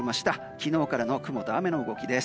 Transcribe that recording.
昨日からの雲と雨の動きです。